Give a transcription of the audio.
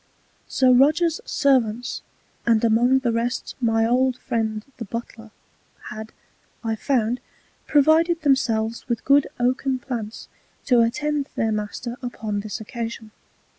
_ Sir Roger's Servants, and among the rest my old Friend the Butler, had, I found, provided themselves with good Oaken Plants, to attend their Master upon this occasion.